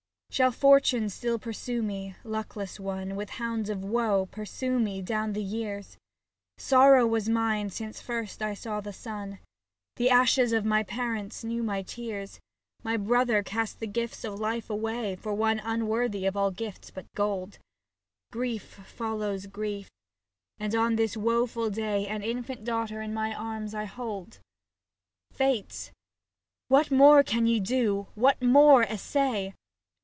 Shall Fortune still pursue me, luck less one, With hounds of woe pursue me down the years ? Sorrow was mine since first I saw the sun. The ashes of my parents knew my tears. My brother cast the gifts of life away For one unworthy of all gifts but gold, 64 SAPPHO TO PHAON Grief follows grief and on this woe ful day An infant daughter in my arms I hold. Fates ! What more can ye do, what more essay